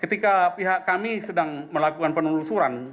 ketika pihak kami sedang melakukan penelusuran